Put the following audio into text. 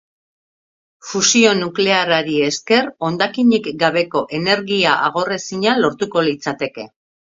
Fusio nuklearrari esker, hondakinik gabeko energia agorrezina lortuko litzateke.